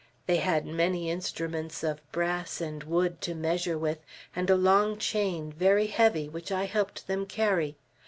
They had many instruments of brass and wood to measure with, and a long chain, very heavy, which I helped them carry.